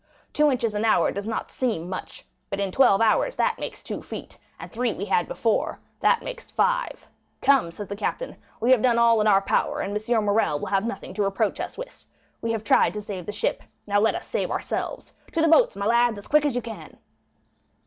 Two inches an hour does not seem much, but in twelve hours that makes two feet, and three we had before, that makes five. 'Come,' said the captain, 'we have done all in our power, and M. Morrel will have nothing to reproach us with, we have tried to save the ship, let us now save ourselves. To the boats, my lads, as quick as you can.